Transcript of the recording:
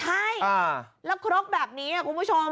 ใช่แล้วครกแบบนี้คุณผู้ชม